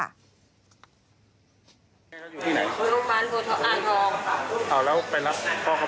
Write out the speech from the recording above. ปู่ก็โทรไปว่าเราจะมาส่งหลานกันไหม